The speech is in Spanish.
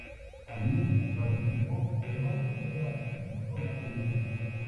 Allí participó en varias pruebas de pistola y rifle.